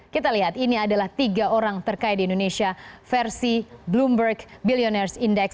kita lihat ini adalah tiga orang terkaya di indonesia versi bloomberg billionaires index